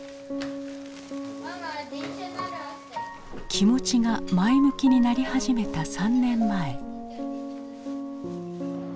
気持ちが前向きになり始めた３年前。